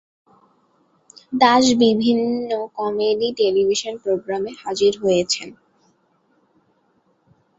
দাস বিভিন্ন comedy television প্রোগ্রামে হাজির হয়েছেন।